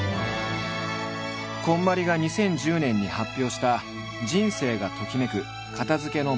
こんまりが２０１０年に発表した「人生がときめく片づけの魔法」。